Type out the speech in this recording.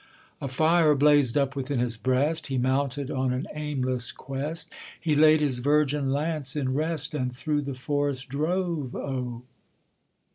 A fire blazed up within his breast, He mounted on an aimless quest, He laid his virgin lance in rest, And through the forest drove O!